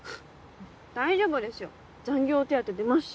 大丈夫ですよ残業手当出ますし。